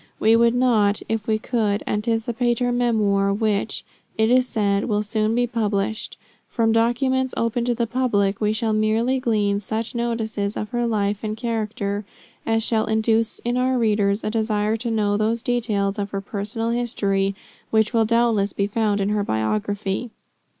We would not, if we could, anticipate her memoir, which, it is said, will soon be published. From documents open to the public, we shall merely glean such notices of her life and character as shall induce in our readers a desire to know those details of her personal history which will doubtless be found in her biography.